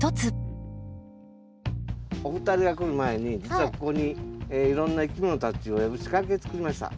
お二人が来る前に実はここにいろんないきものたちを呼ぶ仕掛け作りました。